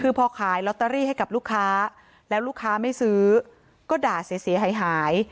คือพอขายลอตเตอรี่ให้กับลูกค้าแล้วลูกค้าไม่ซื้อก็ด่าเสียหาย